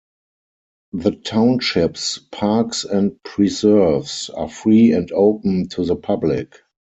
The township's parks and preserves are free and open to the public.